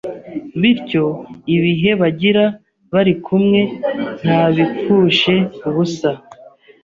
bityo ibihe bagira bari kumwe ntabipfushe ubusa.